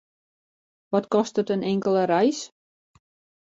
Wat kostet in inkelde reis?